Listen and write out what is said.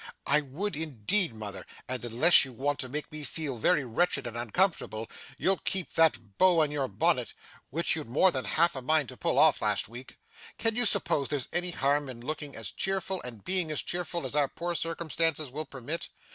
'I would, indeed, mother, and unless you want to make me feel very wretched and uncomfortable, you'll keep that bow on your bonnet, which you'd more than half a mind to pull off last week. Can you suppose there's any harm in looking as cheerful and being as cheerful as our poor circumstances will permit?